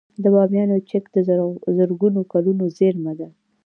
د بامیانو چک د زرګونه کلونو زیرمه ده